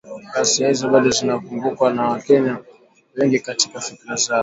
“Ghasia hizo bado zinakumbukwa na Wakenya wengi katika fikra zao"